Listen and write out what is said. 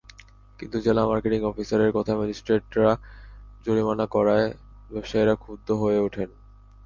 কিন্তু জেলা মার্কেটিং অফিসারের কথায় ম্যাজিস্ট্রেটরা জরিমানা করায় ব্যবসায়ীরা ক্ষুব্ধ হয়ে ওঠেন।